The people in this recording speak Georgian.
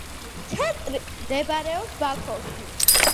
ცენტრი მდებარეობს ბაქოში.